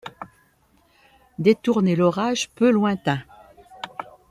Détournez l’orage peu lointain.